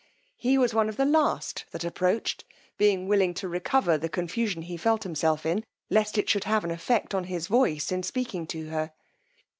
He was one of the last that approached, being willing to recover the confusion he felt himself in, lest it should have an effect on his voice in speaking to her.